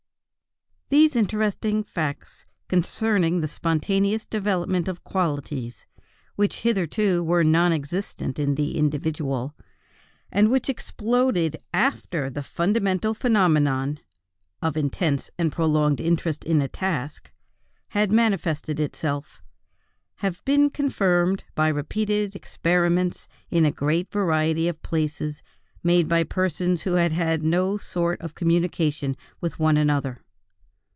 These interesting facts concerning the spontaneous development of qualities which hitherto were non existent in the individual, and which exploded after the fundamental phenomenon of intense and prolonged interest in a task had manifested itself, have been confirmed by repeated experiments in a great variety of places made by persons who had had no sort of communication one with another.